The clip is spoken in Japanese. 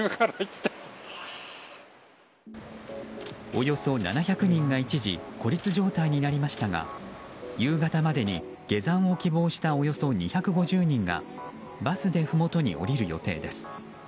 およそ７００人が一時孤立状態になりましたが夕方までに下山を希望したおよそ２５０人がバスでふもとに降りる予定です。